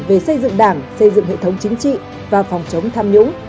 về xây dựng đảng xây dựng hệ thống chính trị và phòng chống tham nhũng